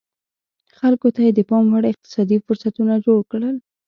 خلکو ته یې د پام وړ اقتصادي فرصتونه جوړ کړل